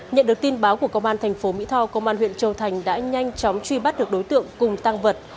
nhận được tin báo của công an thành phố mỹ tho công an huyện châu thành đã nhanh chóng truy bắt được đối tượng cùng tăng vật